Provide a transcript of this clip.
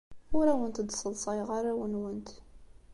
Ur awent-d-sseḍsayeɣ arraw-nwent.